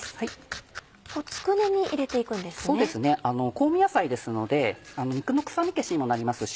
香味野菜ですので肉の臭み消しにもなりますし